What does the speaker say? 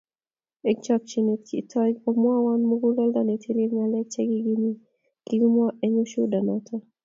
Eng chokchinet kitoi komwawon muguleldo netilil ngalek chegigimwaa eng ushuhuda noto---